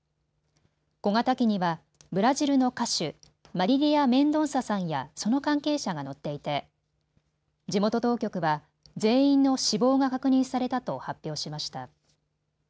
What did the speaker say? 小型機にはブラジルの歌手、マリリア・メンドンサさんやその関係者が乗っていて地元当局は全員の死亡が確認されたと発表しました。